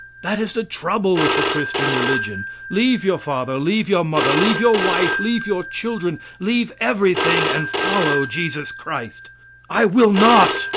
That is the trouble with the Christian religion; leave your father, leave your mother, leave your wife, leave your children, leave everything and follow Jesus Christ. I will not.